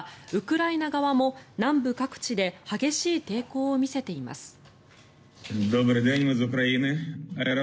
ウクライナ側も南部各地で激しい抵抗を見せています。